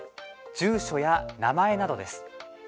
住所や名前などです。